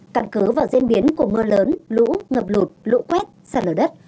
căn cứ vào diễn biến của mưa lớn lũ ngập lụt lũ quét sạt lở đất